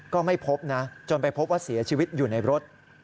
ก็ไม่พบนะจนไปพบว่าเสียชีวิตอยู่ในรถ